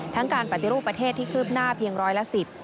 การปฏิรูปประเทศที่คืบหน้าเพียงร้อยละสิบ